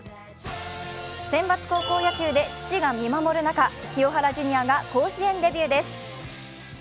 センバツ高校野球で父が見守る中、清原ジュニアが甲子園デビューです。